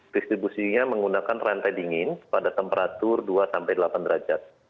distribusinya menggunakan rantai dingin pada temperatur dua sampai delapan derajat